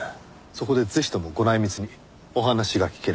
そこでぜひともご内密にお話が聞ければと。